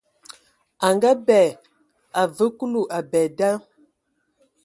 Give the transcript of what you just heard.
A ngaabɛ, a vǝǝ Kulu abɛ da.